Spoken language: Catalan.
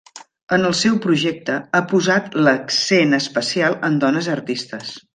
En el seu projecte ha posat l'accent especial en dones artistes.